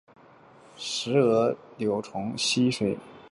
石蛾幼虫在淡水栖息地的所有饲养行会都可以被找到。